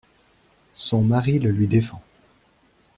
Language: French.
Son mari le lui défend.